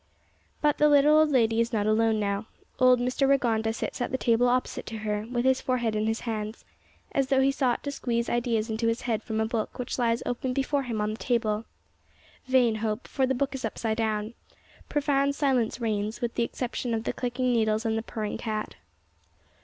But the little old lady is not alone now. Old Mr Rigonda sits at the table opposite to her, with his forehead in his hands, as though he sought to squeeze ideas into his head from a book which lies open before him on the table. Vain hope, for the book is upside down. Profound silence reigns, with the exception of the clicking needles and the purring cat.